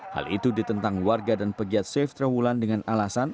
hal itu ditentang warga dan pegiat safe trawulan dengan alasan